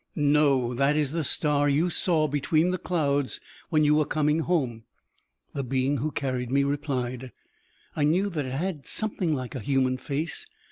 "No, that is the star you saw between the clouds when you were coming home," the being who was carrying me replied. I knew that it had something like a human face.